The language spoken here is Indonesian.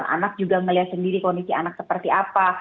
anak juga melihat sendiri kondisi anak seperti apa